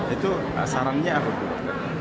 itu sarannya apa